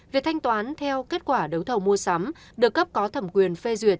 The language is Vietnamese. việc thanh toán theo kết quả đấu thầu mua sắm được cấp có thẩm quyền phê duyệt